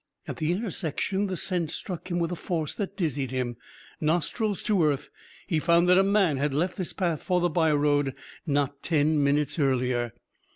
At the intersection the scent struck him with a force that dizzied him. Nostrils to earth, he found that a man had left this path for the byroad not ten minutes earlier.